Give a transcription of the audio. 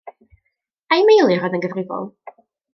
Ai Meilir oedd yn gyfrifol?